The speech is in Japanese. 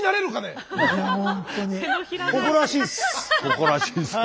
誇らしいですよね。